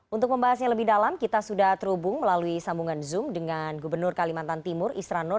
untuk membahasnya lebih dalam kita sudah terhubung melalui sambungan zoom dengan gubernur kalimantan timur isran nur